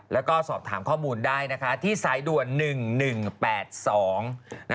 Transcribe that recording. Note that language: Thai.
แล้วก็สอบถามข้อมูลได้นะคะที่สายด่วน๑๑๘๒